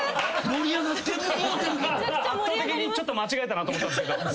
圧倒的にちょっと間違えたなと思ったんすけど。